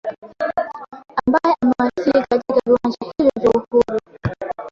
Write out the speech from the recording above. ambaye amewasili katika viwanja hivyo vya uhuru